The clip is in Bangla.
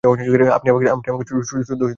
আপনি আমাকে সুদ্ধ ধোঁকা লাগিয়ে দিলেন যে!